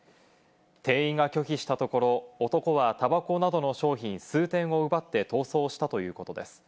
店員が拒否したところ、男はタバコなどの商品、数点を奪って逃走したということです。